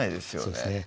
そうですね